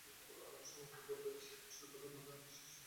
সমাপনী পর্বের আসরে কথামালা শেষে বিজয়ীদের হাতে পুরস্কার তুলে দেন অতিথিরা।